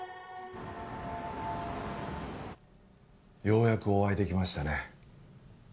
ようやくお会いできましたね